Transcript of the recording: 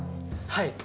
はい！